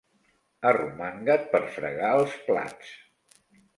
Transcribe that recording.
Arromanga't per fregar els plats.